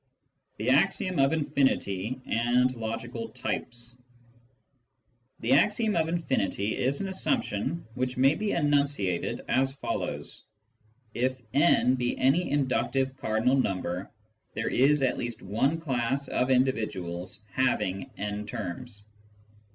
CHAPTER XIII THE AXIOM OF INFINITY AND LOGICAL TYPES The axiom of infinity is an assumption which may be enunciated as follows :—" If n be any inductive cardinal number, there is at least one class of individuals having n terms."